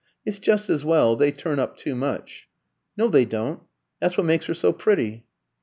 It's just as well, they turn up too much." "No, they don't; that's what makes her so pretty."